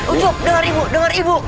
ujuk dengar ibu dengar ibu